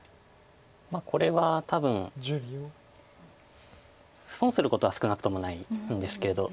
これは多分損することは少なくともないんですけど。